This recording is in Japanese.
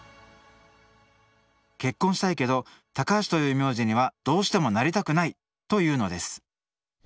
「結婚したいけど高橋という名字にはどうしてもなりたくない！」と言うのです。